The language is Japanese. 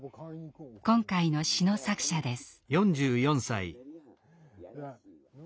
今回の詩の作者です。